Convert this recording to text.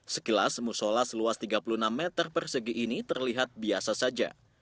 sekilas musola seluas tiga puluh enam meter persegi ini terlihat biasa saja